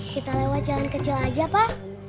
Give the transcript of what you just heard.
kita lewat jalan kecil aja pak